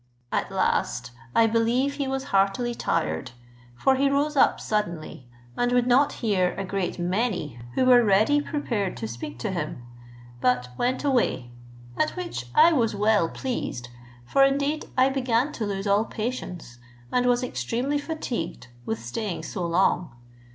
At last I believe he was heartily tired, for he rose up suddenly, and would not hear a great many who were ready prepared to speak to him, but went away, at which I was well pleased, for indeed I began to lose all patience, and was extremely fatigued with staying so long.